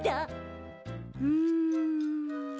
うん。